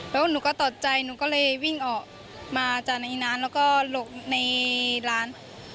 แล้วหนูก็ตกใจหนูก็เลยวิ่งออกมาจากในร้านแล้วก็หลบในร้าน